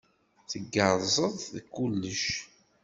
Tgerrzeḍ deg kullec.